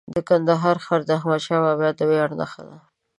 د کندهار ښار د احمدشاه بابا د ویاړ نښه ده.